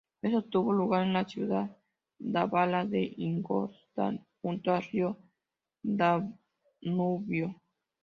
Esto tuvo lugar en la ciudad bávara de Ingolstadt, junto al río Danubio.